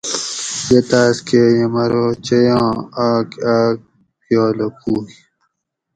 یہ تاۤس کۤہ یمرو چیاں آک آۤک پیالہ پوئ